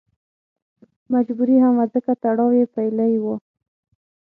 مجبوري هم وه ځکه تړاو یې پېیلی و.